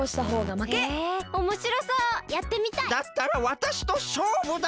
だったらわたしとしょうぶだ！